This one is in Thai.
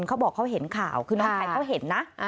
เขาบอกเขาเห็นข่าวคือน้องชายเขาเห็นนะ